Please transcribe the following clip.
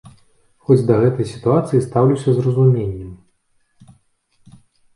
Хоць да гэтай сітуацыі стаўлюся з разуменнем.